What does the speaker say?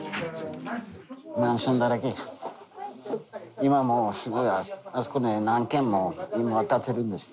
今もすごいあそこね何軒も今建ってるんですよ。